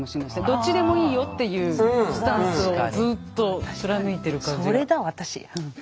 どっちでもいいよっていうスタンスをずっと貫いてる感じが。